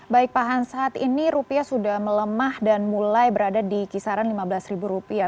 baik pak hans saat ini rupiah sudah melemah dan mulai berada di kisaran lima belas ribu rupiah